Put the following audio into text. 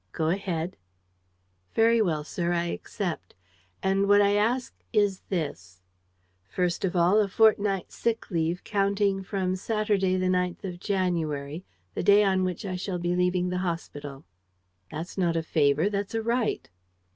"Go ahead." "Very well, sir, I accept. And what I ask is this: first of all, a fortnight's sick leave, counting from Saturday, the ninth of January, the day on which I shall be leaving the hospital." "That's not a favor, that's a right."